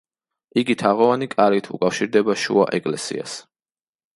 იგი თაღოვანი კარით უკავშირდება შუა ეკლესიას.